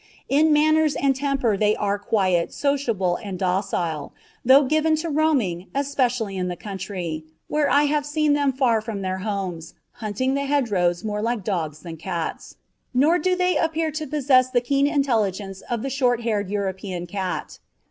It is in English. In manners and temper they are quiet, sociable, and docile, though given to roaming, especially in the country, where I have seen them far from their homes, hunting the hedgerows more like dogs than cats; nor do they appear to possess the keen intelligence of the short haired European cat.